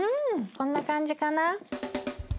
こんな感じかな。